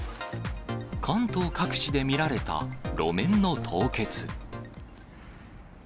関東各地で見られた路面の凍結。